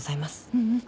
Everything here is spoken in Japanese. うんうん。